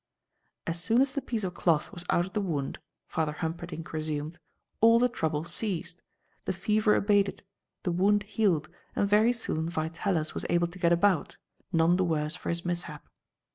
"As soon as the piece of cloth was out of the wound," Father Humperdinck resumed, "all the trouble ceased. The fever abated, the wound healed, and very soon Vitalis was able to get about, none the worse for his mishap.